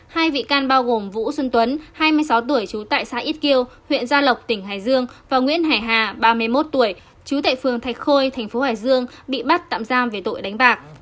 hai vị can bao gồm vũ xuân tuấn hai mươi sáu tuổi trú tại xã ít kiêu huyện gia lộc tỉnh hải dương và nguyễn hải hà ba mươi một tuổi chú tại phường thạch khôi thành phố hải dương bị bắt tạm giam về tội đánh bạc